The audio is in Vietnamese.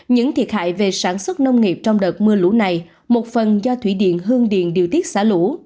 những thiệt hại về sản xuất nông nghiệp trong đợt mưa lũ này một phần do thủy điện hương điền điều tiết xả lũ